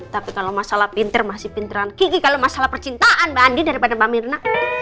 tapi kalau masalah pinter masih pinteran kiki kalau masalah percintaan banding daripada mbak